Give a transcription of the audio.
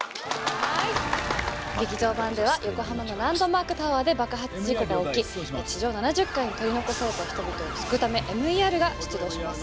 はい劇場版では横浜のランドマークタワーで爆発事故が起き地上７０階に取り残された人々を救うためＭＥＲが出動します